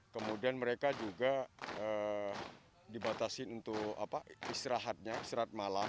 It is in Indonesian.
kemudian mereka juga dibatasi untuk istirahatnya istirahat malam